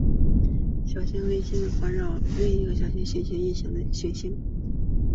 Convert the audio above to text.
小行星卫星是指环绕另一颗小行星运行的小行星。